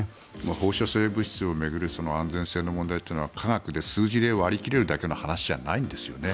放射性物質を巡る安全性の問題というのは科学で、数字で割り切れるだけの話じゃないんですよね。